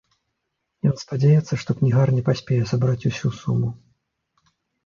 Ён спадзяецца, што кнігарня паспее сабраць усю суму.